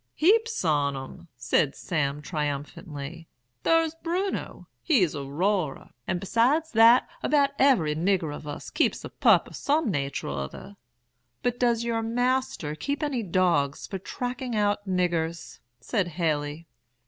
"'Heaps on 'em,' said Sam, triumphantly. 'Thar's Bruno, he's a roarer; and besides that, 'bout every nigger of us keeps a pup o' some natur' or uther.' "'But does your master keep any dogs for tracking out niggers?' said Haley.